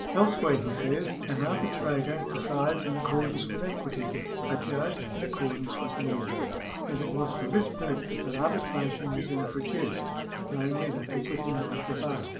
Elsewhere he says :" An arbi trator decides in accordance with equity, a judge in accord ance with law : and it was for this purpose that arbitration was introduced, namely, that equity might prevail."